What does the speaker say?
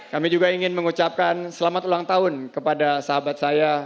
kami juga ingin mengucapkan selamat ulang tahun kepada sahabat saya